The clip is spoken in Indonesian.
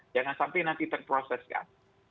jangan sampai nanti terproseskan